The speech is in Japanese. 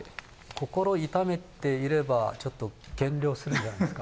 心を痛めていればちょっと減量するんじゃないですか。